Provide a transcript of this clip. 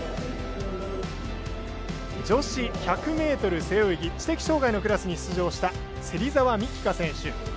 女子１００ｍ背泳ぎ知的障がいのクラスに出場した芹澤美希香選手。